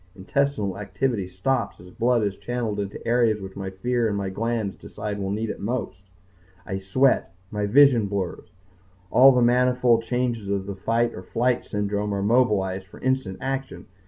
Intestinal activity stops as blood is channeled into the areas which my fear and my glands decide will need it most. I sweat. My vision blurs. All the manifold changes of the fight or flight syndrome are mobilized for instant action.